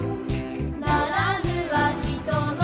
「成らぬは人の」